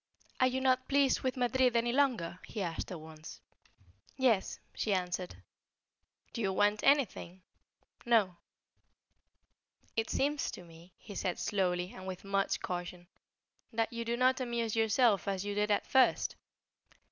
"Are you not pleased with Madrid any longer?" he asked her once. "Yes," she answered. "Do you want anything?" "No." "It seems to me," he said, slowly, and with much caution, "that you do not amuse yourself as you did at first."